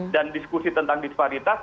dan diskusi tentang disparitas